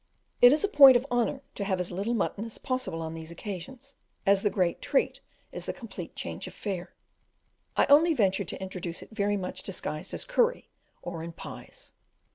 It is a point of honour to have as little mutton as possible on these occasions, as the great treat is the complete change of fare. I only ventured to introduce it very much disguised as curry, or in pies.